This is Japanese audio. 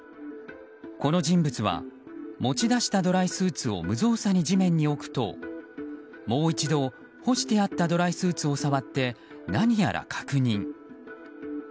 この人物は持ち出したドライスーツを無造作に地面に置くともう一度、干してあったドライスーツを触って何やら確認。